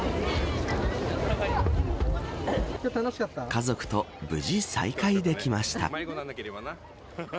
家族と無事、再会できました。